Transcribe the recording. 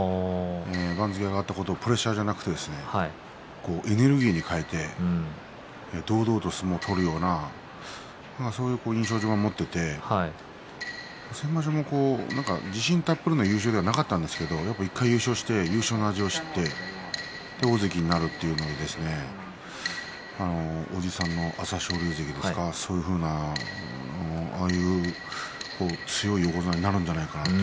番付が上がったことがプレッシャーじゃなくてエネルギーに変えて堂々と相撲を取るようなそういう印象を持っていて先場所も自信たっぷりの優勝ではなかったんですけど１回優勝して優勝の味を知って大関になるというのでおじさんの朝青龍関ですかそういう強い横綱になるんじゃないかなと。